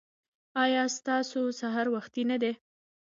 ایا ستاسو سهار وختي نه دی؟